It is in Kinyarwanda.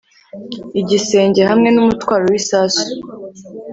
Igisenge hamwe numutwaro wisasu